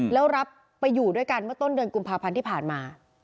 แล้วรับไปอยู่ด้วยกันเมื่อต้นเดือนกุมภาพันธ์ที่ผ่านมา